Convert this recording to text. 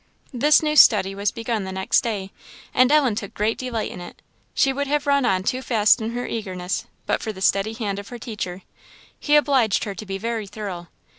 This new study was begun the next day, and Ellen took great delight in it. She would have run on too fast in her eagerness, but for the steady hand of her teacher; he obliged her to be very thorough.